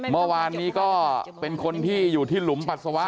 เมื่อวานนี้ก็เป็นคนที่อยู่ที่หลุมปัสสาวะ